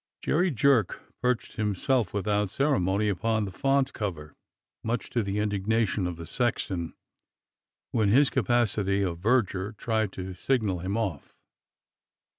Jerry Jerk perched himself without ceremony upon the font cover, much to the indignation of the sexton, who in his capacity of verger tried to signal him off.